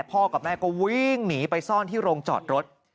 กับแม่ก็วิ่งหนีไปซ่อนที่โรงจอดรถ